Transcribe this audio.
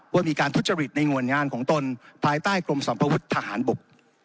ว่ามีการทุจริตในหน่วยงานของตนภายใต้กรมสัมภวุฒิทหารบก